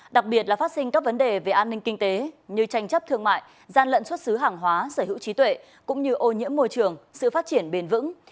đặc biệt là phát sinh các vấn đề về an ninh kinh tế như tranh chấp thương mại gian lận xuất xứ hàng hóa sở hữu trí tuệ cũng như ô nhiễm môi trường sự phát triển bền vững